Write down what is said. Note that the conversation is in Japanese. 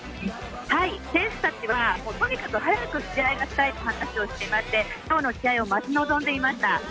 選手たちはとにかく早く試合をしたいと話していまして今日の試合を待ち望んでいました。